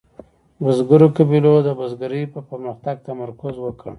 بزګرو قبیلو د بزګرۍ په پرمختګ تمرکز وکړ.